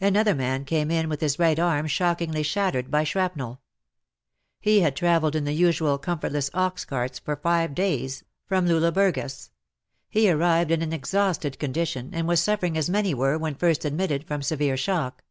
Another man came in with his right arm shockingly shattered by shrapnel. He had travelled in the usual comfortless ox carts for five days, from Lule Burgas. He arrived in an exhausted condition, and was suffering as many were, when first admitted, from severe shock.